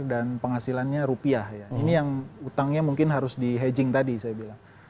dan penghasilannya rupiah ya ini yang utangnya mungkin harus di hedging tadi saya bilang